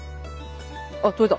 あっ採れた。